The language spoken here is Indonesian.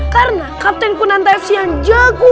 karena kapten konanta fc yang jago